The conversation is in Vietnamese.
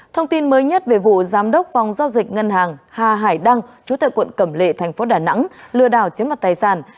thông tin mới nhất về vụ giám đốc phòng giao dịch ngân hàng hà hải đăng chú tại quận cẩm lệ thành phố đà nẵng lừa đảo chiếm mặt tài sản